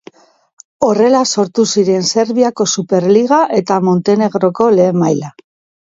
Horrela sortu ziren Serbiako SuperLiga eta Montenegroko Lehen Maila.